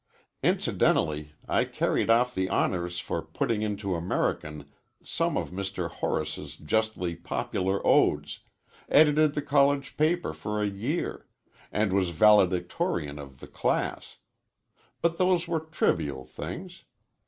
Incidentally I carried off the honors for putting into American some of Mr. Horace's justly popular odes, edited the college paper for a year, and was valedictorian of the class. But those were trivial things.